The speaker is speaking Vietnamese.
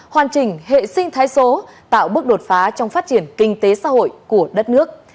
hoàn chỉnh hệ sinh thái số tạo bước đột phá trong phát triển kinh tế xã hội của đất nước